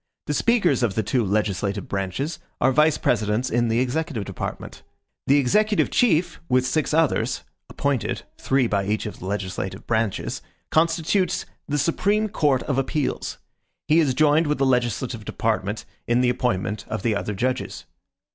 The speakers of the two legislative branches are vice presidents in the executive department. The executive chief, with six others, appointed, three by each of the legislative branches constitutes the Supreme Court of Appeals; he is joined with the legislative department in the appointment of the other judges.